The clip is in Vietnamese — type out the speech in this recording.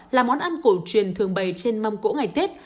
là món ăn cổ truyền thường bày trên mâm cỗ ngày tết